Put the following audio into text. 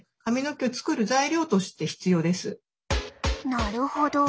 なるほど。